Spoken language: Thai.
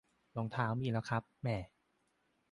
รองเท้ามีแล้วครับ แหม่